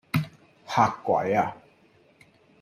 嚇鬼呀?